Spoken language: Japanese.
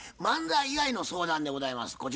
漫才以外の相談でございます。